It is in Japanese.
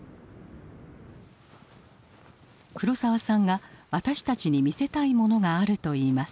黒澤さんが私たちに見せたいものがあるといいます。